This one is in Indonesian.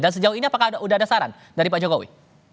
dan sejauh ini apakah sudah ada saran dari pak jokowi